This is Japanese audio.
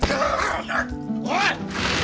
おい！